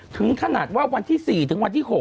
ถึงขนาดว่าวันที่๔ถึงวันที่๖